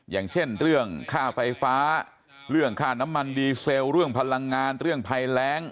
อย่างเช่นเรื่องค่าไฟฟ้าเรื่องค่าน้ำมันดีเซลเรื่องพลังงานเรื่องภัยแรง